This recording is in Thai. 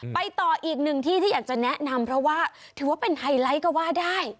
ไปต่ออีกหนึ่งที่ที่อยากจะแนะนำเพราะว่าถือว่าเป็นไฮไลท์ก็ว่าได้